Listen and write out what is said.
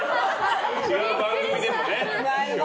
違う番組でもね。